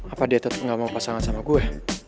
apa dia tetap gak mau pasangan sama gue